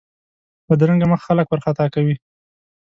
بدرنګه مخ خلک وارخطا کوي